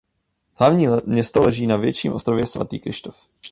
Hlavní město leží na větším ostrově Svatý Kryštof.